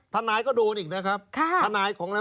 ธนายก็โดนอีกนะครับ